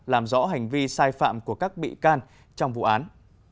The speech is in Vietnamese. làm rõ hành vi sai phạm của các bị can trong vụ án